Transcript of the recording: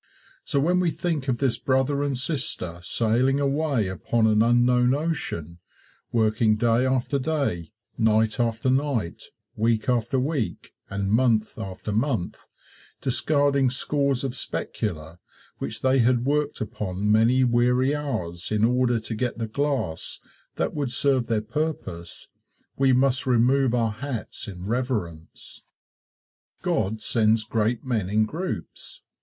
So when we think of this brother and sister sailing away upon an unknown ocean working day after day, night after night, week after week, and month after month, discarding scores of specula which they had worked upon many weary hours in order to get the glass that would serve their purpose we must remove our hats in reverence. God sends great men in groups.